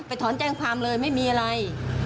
ถอนแจ้งความเลยไม่มีอะไร